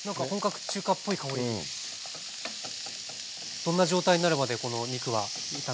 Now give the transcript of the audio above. どんな状態になるまでこの肉は炒めますか？